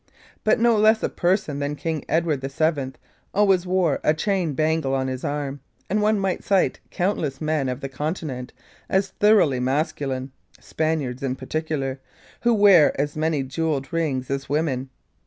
But no less a person than King Edward VII always wore a chain bangle on his arm, and one might cite countless men of the Continent as thoroughly masculine Spaniards in particular who wear as many jewelled rings as women.